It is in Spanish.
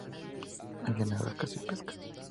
Había buena caza y pesca.